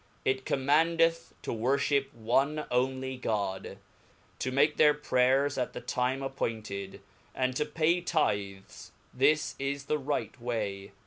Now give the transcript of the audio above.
It commandeth to worfhip one only God, to make their prayers at the time appointed, and to pay tithes, this is the right way.